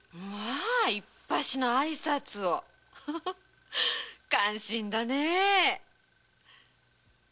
いっぱしのあいさつを感心だねえ。